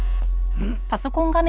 ん？